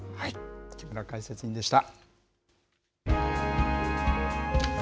木村解説委員でした。